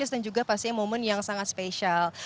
juga pastinya momen yang sangat spesial